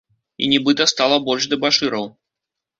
І нібыта стала больш дэбашыраў.